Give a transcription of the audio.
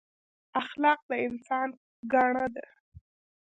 اخلاق د انسان ګاڼه ده